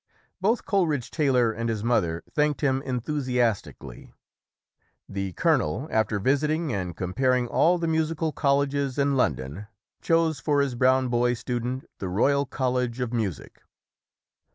Both Coleridge Taylor and his mother thanked him enthusiastically. The colonel, after visiting and comparing all the musi cal colleges in London, chose for his brown boy student the Royal College of Music.